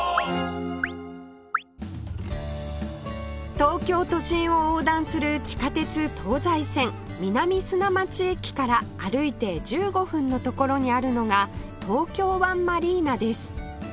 東京都心を横断する地下鉄東西線南砂町駅から歩いて１５分の所にあるのが東京湾マリーナです